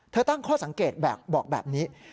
ตั้งข้อสังเกตบอกแบบนี้